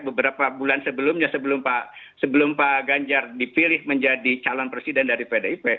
beberapa bulan sebelumnya sebelum pak ganjar dipilih menjadi calon presiden dari pdip